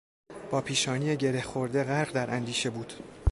با پیشانی گره خورده غرق در اندیشه بود.